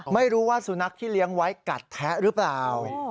ไม่รู้ว่าสุนัขที่เลี้ยงไว้กัดแท้หรือเปล่า